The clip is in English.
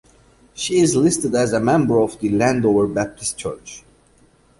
She is listed as a member of the Landover Baptist Church.